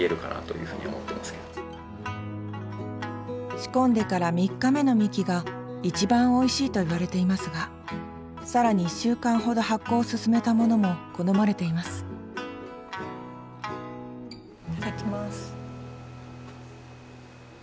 仕込んでから３日目のみきが一番おいしいといわれていますが更に１週間ほど発酵を進めたものも好まれていますいただきます。